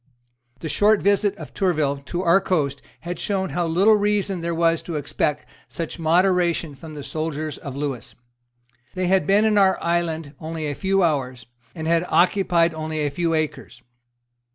The short visit of Tourville to our coast had shown how little reason there was to expect such moderation from the soldiers of Lewis. They had been in our island only a few hours, and had occupied only a few acres.